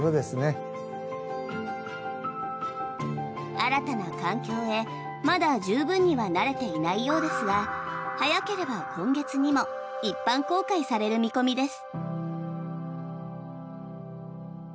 新たな環境へ、まだ十分には慣れていないようですが早ければ今月にも一般公開される見込みです。